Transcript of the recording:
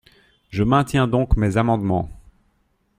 Je maintiens donc mes amendements.